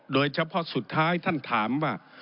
โดยเฉพาะสุดท้ายท่านถามว่า